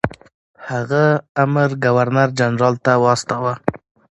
هغه امر ګورنر جنرال ته واستاوه.